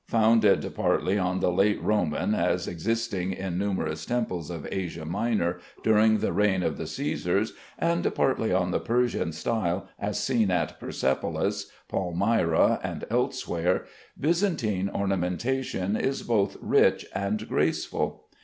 Founded partly on the late Roman as existing in numerous temples of Asia Minor during the reign of the Cæsars, and partly on the Persian style as seen at Persepolis, Palmyra, and elsewhere, Byzantine ornamentation is both rich and graceful.